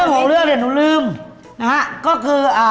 เห้ยโซ่ด